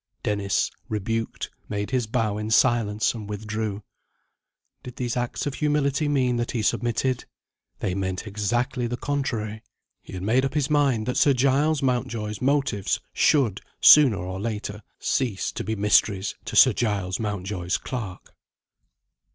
Dennis, rebuked, made his bow in silence, and withdrew. Did these acts of humility mean that he submitted? They meant exactly the contrary. He had made up his mind that Sir Giles Mountjoy's motives should, sooner or later, cease to be mysteries to Sir Giles Mountjoy's clerk.